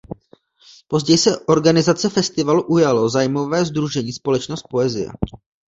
Později se organizace festivalu ujalo zájmové sdružení Společnost poezie.